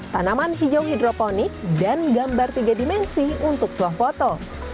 tanaman hijau hidroponik dan gambar tiga dimensi untuk suah foto